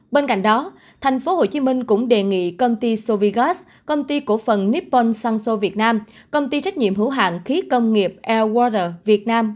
bên cạnh đó tp hcm cũng đề nghị công ty sovigas công ty cổ phần nippon sunso việt nam công ty trách nhiệm hữu hạng khí công nghiệp lr việt nam